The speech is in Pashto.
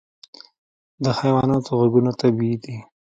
د حیواناتو غږونه طبیعي دي.